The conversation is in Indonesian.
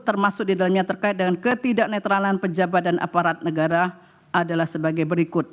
termasuk di dalamnya terkait dengan ketidak netralan pejabat dan aparat negara adalah sebagai berikut